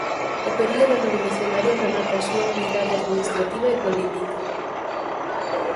O período revolucionario remata a súa unidade administrativa e política.